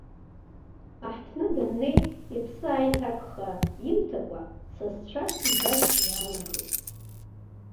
Аҳҭны даннеи, иԥсы ааиҭакха имҭакәа, сасцәак игәашә иаалагылт.